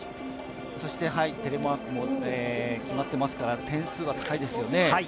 そしてテレマークも決まっていますから点数は高いですよね。